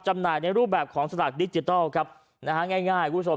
จำหน่ายในรูปแบบของสลักดิจิทัลครับนะฮะง่ายคุณผู้ชม